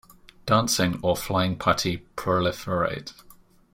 Dancing or flying putti proliferate.